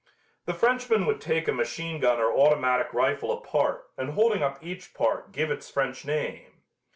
The Frenchman would take a machine gun or automatic rifle apart and holding up each part give its French name.